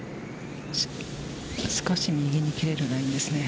少し右に切れるラインですね。